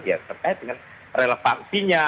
ya terkait dengan relevansinya